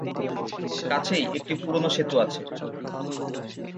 কাছেই একটি পুরনো সেতু আছে।